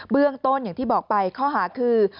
เบื้องต้นอย่างที่บอกไปข้อหาคือ